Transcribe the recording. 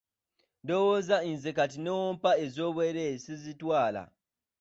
Ndowooza nze kati n'obwompa ez'obwerere sizitwala.